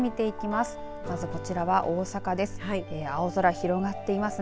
まずこちらは大阪です。